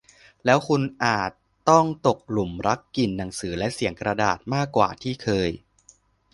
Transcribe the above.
แล้วคุณอาจต้องตกหลุมรักกลิ่นหนังสือและเสียงกระดาษมากกว่าที่เคย